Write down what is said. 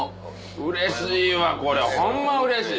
うれしいわこれホンマうれしい。